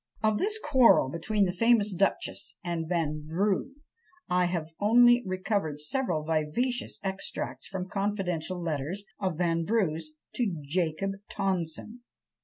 Of this quarrel between the famous duchess and Vanbrugh I have only recovered several vivacious extracts from confidential letters of Vanbrugh's to Jacob Tonson.